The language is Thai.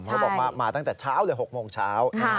เขาบอกว่ามาตั้งแต่เช้าเลย๖โมงเช้า